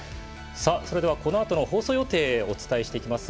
それではこのあとの放送予定をお伝えしていきます。